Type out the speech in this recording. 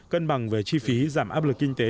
cân bằng về chi phí giảm áp lực kinh tế